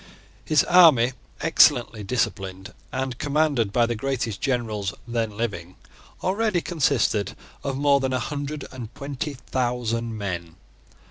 His army, excellently disciplined, and commanded by the greatest generals then living, already consisted of more than a hundred and twenty thousand men.